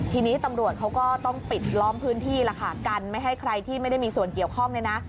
ทีนี้ตำรวจเขาก็ต้องปิดล้อมพื้นที่แล้วค่ะกันไม่ให้ใครที่ไม่ได้มีส่วนเกี่ยวข้องเนี่ยนะ